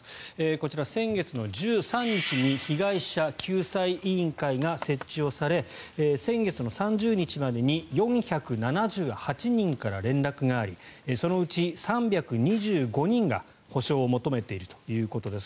こちら、先月の１３日に被害者救済委員会が設置をされ先月の３０日までに４７８人から連絡がありそのうち３２５人が、補償を求めているということです。